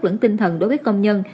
lẫn tinh thần đối với công nhân